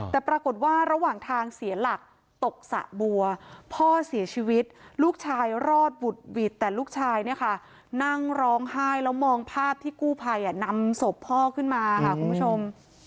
แต่ปรากฏว่าระหว่างทางเสียหลักตกสะบัวพ่อเสียชีวิตลูกชายรอดบุดหวิดแต่ลูกชายเนี่ยค่ะนั่งร้องไห้แล้วมองภาพที่กู้ภัยนำศพพ่อขึ้นมาค่ะคุณผู้ชม